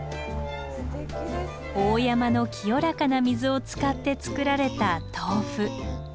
大山の清らかな水を使って作られた豆腐。